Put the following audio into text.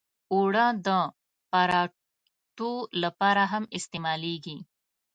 اوړه د پراتو لپاره هم استعمالېږي